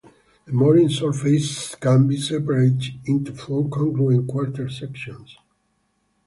The Morin surface can be separated into four congruent quarter sections.